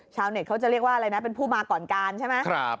เน็ตเขาจะเรียกว่าอะไรนะเป็นผู้มาก่อนการใช่ไหม